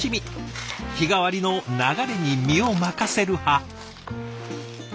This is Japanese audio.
日替わりの流れに身を任せる派。